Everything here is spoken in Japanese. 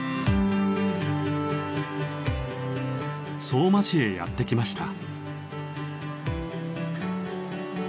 相馬市へやって来ました。